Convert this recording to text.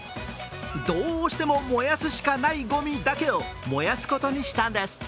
どうしても燃やすしかないごみだけを燃やすことにしたんです。